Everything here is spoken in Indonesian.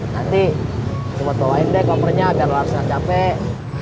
nanti coba tolain deh komprenya biar laris nggak capek